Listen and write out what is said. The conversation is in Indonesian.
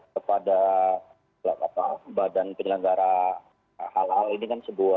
kepada badan penyelenggara halal ini kan sebuah